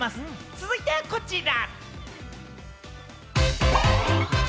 続いてはこちら！